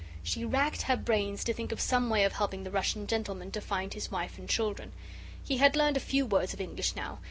She racked her brains to think of some way of helping the Russian gentleman to find his wife and children. He had learned a few words of English now.